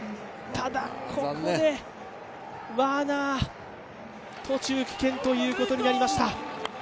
ただ、ここでワーナー、途中棄権ということになりました。